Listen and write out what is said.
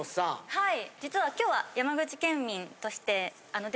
はい。